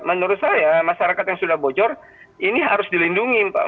menurut saya masyarakat yang sudah bocor ini harus dilindungi